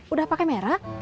udah pake merah